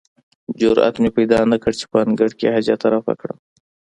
جرئت مې پیدا نه کړ چې په انګړ کې حاجت رفع کړم.